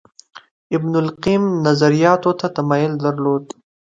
ابن القیم نظریاتو ته تمایل درلود